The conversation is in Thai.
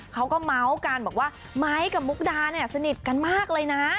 เขาก็เมาส์กันบอกว่าไม้กับมุกดาเนี่ยสนิทกันมากเลยนะ